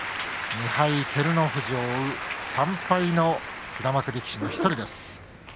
２敗、照ノ富士を追う３敗の１人です。